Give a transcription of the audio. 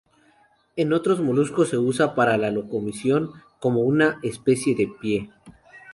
En otros moluscos se usa para la locomoción, como una especie de pie.